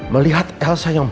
melihat elsa yang